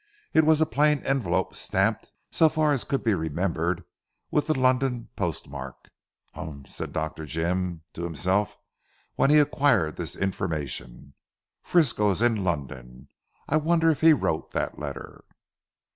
It was a plain envelope stamped so far as could be remembered with the London post mark. "Humph!" said Dr. Jim to himself when he acquired this information. "Frisco is in London. I wonder if he wrote that letter?"